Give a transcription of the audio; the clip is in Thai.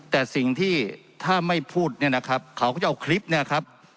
แต่สิ่งที่ถ้าไม่พูดเนี่ยนะครับเขาก็จะเอาคลิปเนี่ยครับ